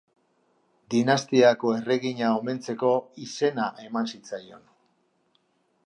Dinastiako erregina omentzeko izena eman zitzaion.